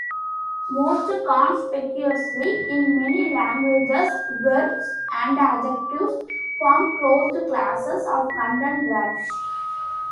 Most conspicuously, in many languages verbs and adjectives form closed classes of content words.